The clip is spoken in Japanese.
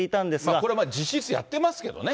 これまあ、実質やってますけどね。